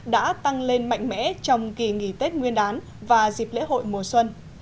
đã tăng lên mạnh mẽ trong kỳ nghỉ tết nguyên đán và dịp lễ hội mùa xuân